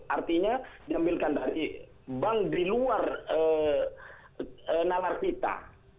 artinya diambilkan dari bank di luar nalarpita